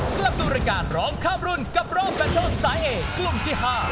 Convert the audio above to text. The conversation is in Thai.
เสียบตัวรายการรอบข้ามรุ่นกับรอบแบตโทรปสายเอกกลุ่มที่๕